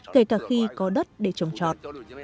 kể cả khi có đất để trồng trọt